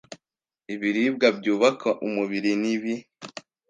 Ibiribwa byubaka umubiri nibi